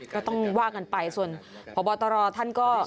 ก็ต้องว่ากันไปส่วนพบตรท่านก็